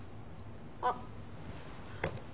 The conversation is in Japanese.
あっ。